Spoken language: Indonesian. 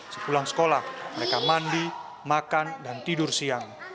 setelah pulang sekolah mereka mandi makan dan tidur siang